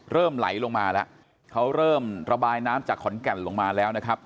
เริ่มไหลลงมาแล้วเขาเริ่มระบายน้ำจากขอนแก่นลงมาแล้วนะครับ